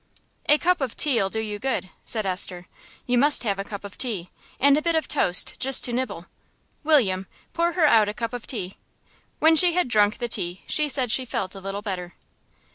"A cup of tea'll do you good," said Esther. "You must have a cup of tea, and a bit of toast just to nibble. William, pour her out a cup of tea." When she had drunk the tea she said she felt a little better.